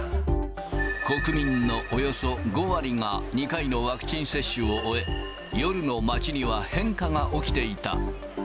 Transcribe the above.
国民のおよそ５割が２回のワクチン接種を終え、夜の街には変化が起きていた。